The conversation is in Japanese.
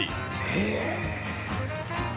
へえ。